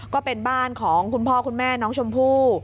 ก็เป็นบ้านของคุณพ่อคุณแม่น้องชมพู่